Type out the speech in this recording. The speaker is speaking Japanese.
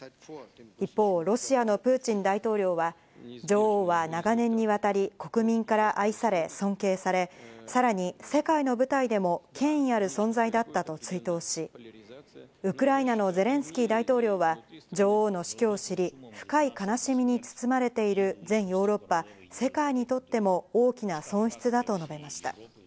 一方、ロシアのプーチン大統領は女王は長年にわたり国民から愛され、尊敬され、さらに世界の舞台でも権威ある存在だったと追悼し、ウクライナのゼレンスキー大統領は女王の死去を知り、深い悲しみに包まれている全ヨーロッパ、世界にとっても大きな損失だと述べました。